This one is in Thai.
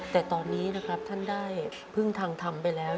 แต่ตอนนี้นะครับท่านได้พึ่งทางทำไปแล้ว